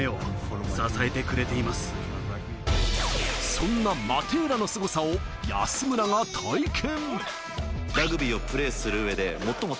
そんなマテーラのすごさを安村が体験。